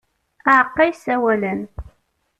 Aɛeqqa yessawalen.